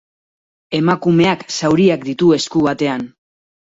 Emakumeak zauriak ditu esku batean.